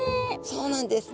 そうなんです。